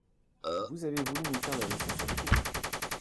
Vous avez voulu nous faire la leçon sur tout.